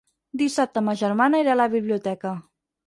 Dissabte ma germana irà a la biblioteca.